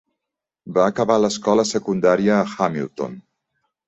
Va acabar l'escola secundària a Hamilton.